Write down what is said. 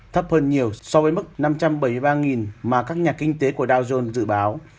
thấp hơn nhiều so với mức năm trăm bảy mươi ba mà các nhà kinh tế của dow jones dự báo